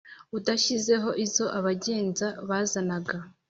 udashyizeho izo abagenza bazanaga